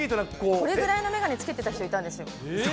これぐらいの眼鏡つけてた人いたんですよ。